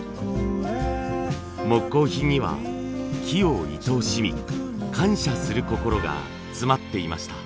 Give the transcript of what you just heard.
木工品には木をいとおしみ感謝する心が詰まっていました。